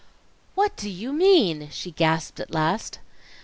"What do you mean?" she gasped at last.